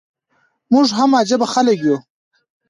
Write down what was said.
موږ هم عجبه خلک يو.